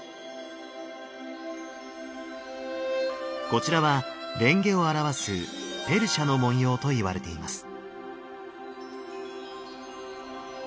こちらは蓮華を表すペルシャの文様といわれています。